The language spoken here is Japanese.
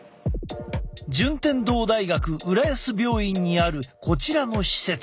順天堂大学浦安病院にあるこちらの施設。